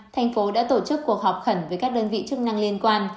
thành phố đã tổ chức cuộc họp khẩn với các đơn vị chức năng liên quan